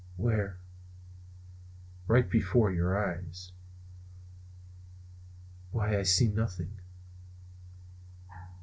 "Where?" "Right before your eyes." "Why, I see nothing."